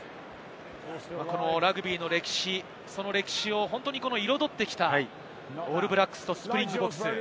ラグビーの歴史、その歴史を彩ってきた、オールブラックスとスプリングボクス。